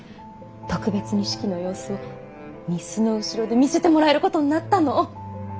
特別に式の様子を御簾の後ろで見せてもらえることになったの。